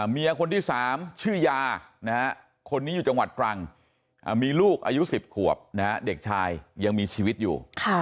เมียคนที่๓ชื่อยาคนนี้อยู่จังหวัดตรังมีลูกอายุ๑๐ขวบเด็กชายยังมีชีวิตอยู่